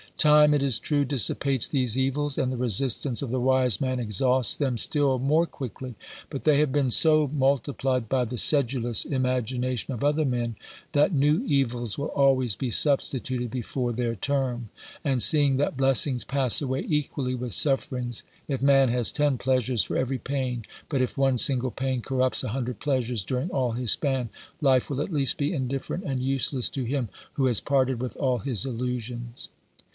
Time, it is true, dissipates these evils, and the resistance of the wise man exhausts them still more quickly ; but they have been so multiplied by the sedulous imagination of other men that new evils will always be substituted before their term ; and seeing that blessings pass away equally with sufferings, if man has ten pleasures for every pain, but if one single pain corrupts a hundred pleasures during all his span, life will at least be indifferent and useless to him who has parted with all his illusions.